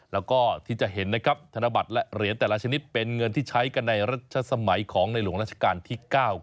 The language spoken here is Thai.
แล้วก็ที่จะเห็นนะครับธนบัตรและเหรียญแต่ละชนิดเป็นเงินที่ใช้กันในรัชสมัยของในหลวงราชการที่๙